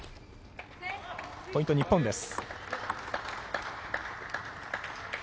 ポイント、日本です。